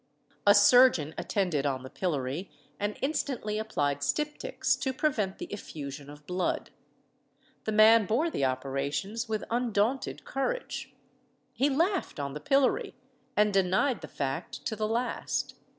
A surgeon attended on the pillory and instantly applied styptics to prevent the effusion of blood. The man bore the operations with undaunted courage. He laughed on the pillory, and denied the fact to the last.